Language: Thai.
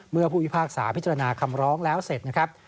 เมื่อผู้พิพากษาพิจารณาคำร้องแล้วเสร็จนะครับ